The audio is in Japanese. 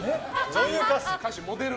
女優、歌手、モデル。